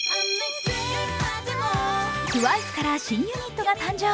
ＴＷＩＣＥから新ユニットが誕生。